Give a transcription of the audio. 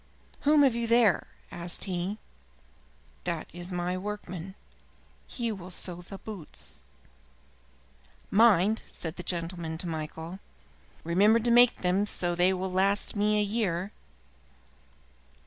"Whom have you there?" asked he. "That is my workman. He will sew the boots." "Mind," said the gentleman to Michael, "remember to make them so that they will last me a year."